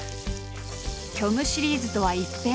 虚無シリーズとは一変。